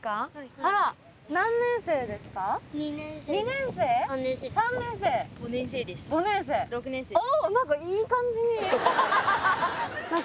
あ何かいい感じに。